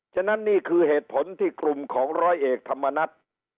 ฉะนั้นนี่คือเหตุผลที่กลุ่มของร้อยเอกธรรมนัฐ